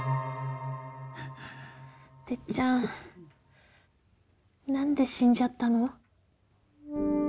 てっちゃん何で死んじゃったの？